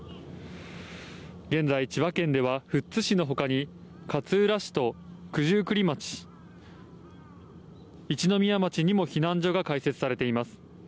現在、千葉県では富津市のほかに勝浦市と九十九里町、一宮町にも避難所が開設されています。